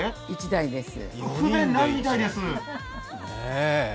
１台です。